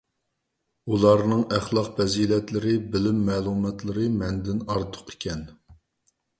ئۇلارنىڭ ئەخلاق - پەزىلەتلىرى، بىلىم - مەلۇماتلىرى مەندىن ئارتۇق ئىكەن.